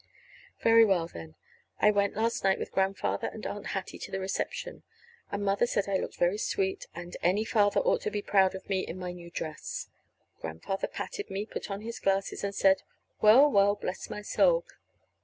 Very well, then. I went last night with Grandfather and Aunt Hattie to the reception; and Mother said I looked very sweet, and any father ought to be proud of me in my new dress. Grandfather patted me, put on his glasses, and said, "Well, well, bless my soul!